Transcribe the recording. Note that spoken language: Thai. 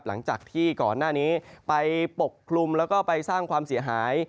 หลังจากที่ก่อนหน้านี้ไปปกคลุมแล้วก็ไปสร้างความเสียหาย